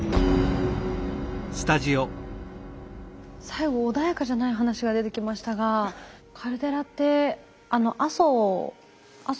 最後穏やかじゃない話が出てきましたがカルデラって阿蘇。